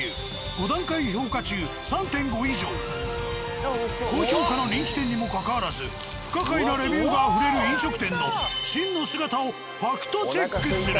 ５段階評価中３．５以上高評価の人気店にもかかわらず不可解なレビューがあふれる飲食店の真の姿をファクトチェックする。